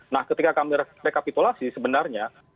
nah ketika kami rekapitulasi sebenarnya